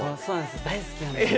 好きなんですね。